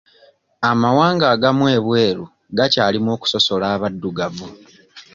Amawanga agamu ebweru gakyalimu okusosola abaddugavu.